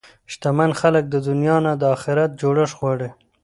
شتمن خلک د دنیا نه د اخرت جوړښت غواړي.